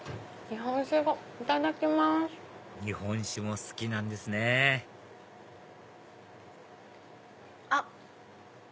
日本酒も好きなんですねあっ！